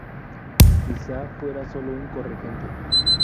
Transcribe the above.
Quizá fuera sólo un corregente.